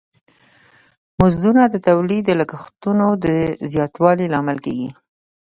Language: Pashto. مزدونه د تولید د لګښتونو د زیاتوالی لامل کیږی.